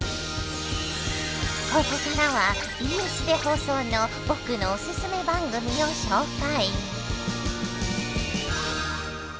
ここからはＢＳで放送の僕のおススメ番組を紹介。